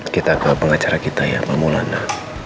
kita ke pengacara kita ya pak maulana